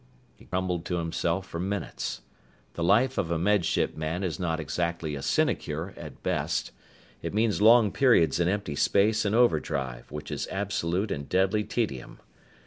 He grumbled to himself for minutes. The life of a Med Ship man is not exactly a sinecure, at best. It means long periods in empty space in overdrive, which is absolute and deadly tedium.